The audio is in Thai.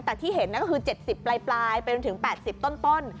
แต่ที่เห็นนะก็คือเจ็ดสิบปลายปลายเป็นถึงแปดสิบต้นต้น